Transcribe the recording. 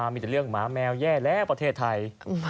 มีแต่เรื่องหมาแมวแย่แล้วประเทศไทย